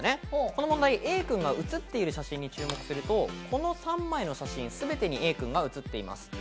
この問題、Ａ君が写ってる写真に注目すると、この３枚の写真全てにＡくんが写っています。